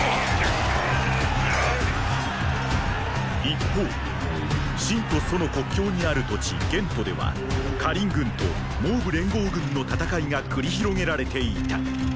一方秦と楚の国境にある土地・玄斗では燐軍と蒙武連合軍の戦いが繰り広げられていた。